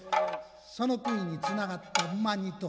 そのくいにつながった馬２頭。